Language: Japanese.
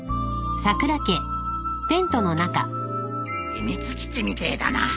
秘密基地みてーだな。